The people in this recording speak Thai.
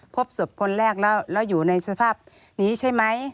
พบศพคนแรกแล้วอยู่ในสภาพนี้ใช่ไหม